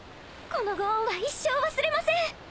このご恩は一生忘れません。